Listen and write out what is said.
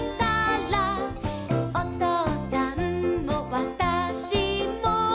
「おとうさんもわたしも」